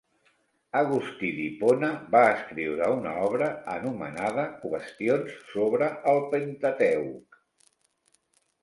Agustí d'Hipona va escriure una obra anomenada "Qüestions sobre el Pentateuc".